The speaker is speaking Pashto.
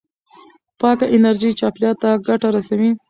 پاکه انرژي چاپېریال ته ګټه رسوي.